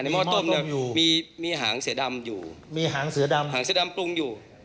หม้อต้มเนี่ยมีหางเสือดำอยู่มีหางเสือดำหางเสือดำปรุงอยู่